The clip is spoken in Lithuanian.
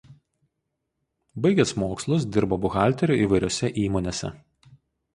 Baigęs mokslus dirbo buhalteriu įvairiose įmonėse.